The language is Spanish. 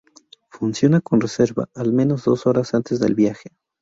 Funciona con reserva, al menos dos horas antes del viaje.